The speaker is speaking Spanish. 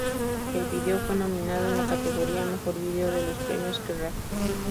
El video fue nominado en la categoría "Mejor Video" de los premios Kerrang!